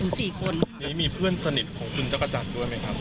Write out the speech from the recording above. นี้มีเพื่อนสนิทของคุณชักกะจันทร์ด้วยมั้ยครับ